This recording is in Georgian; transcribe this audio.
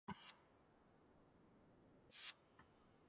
მუჰაფაზის ადმინისტრაციული ცენტრი არის ქალაქი ნასირია.